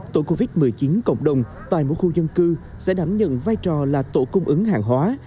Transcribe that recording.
tổ covid một mươi chín cộng đồng tại mỗi khu dân cư sẽ đảm nhận vai trò là tổ cung ứng hàng hóa